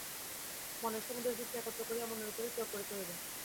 মনের সমুদয় শক্তি একত্র করিয়া মনের উপরেই প্রয়োগ করিতে হইবে।